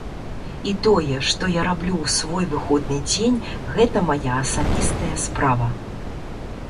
І тое, што я раблю ў свой выходны дзень, гэта мая асабістая справа.